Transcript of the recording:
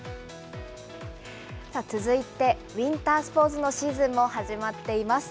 続いて、ウインタースポーツのシーズンも始まっています。